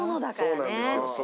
そうなんですよ。